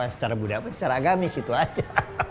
secara budaya secara agamis itu aja